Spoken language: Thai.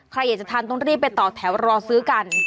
ใครอยากจะทานต้องรีบไปต่อแถวรอซื้อกัน